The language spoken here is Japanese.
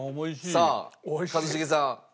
さあ一茂さん。